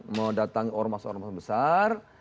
mendatangkan orang orang besar